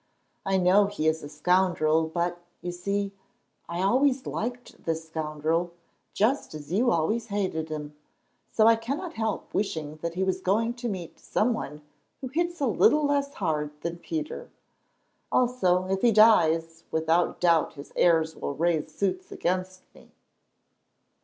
"I know he is a scoundrel, but, you see, I always liked this scoundrel, just as you always hated him, so I cannot help wishing that he was going to meet some one who hits a little less hard than Peter. Also, if he dies, without doubt his heirs will raise suits against me."